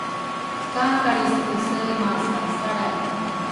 ka Kalrisekese masasalray